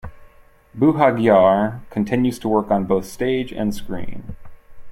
Buhagiar continues to work on both stage and screen.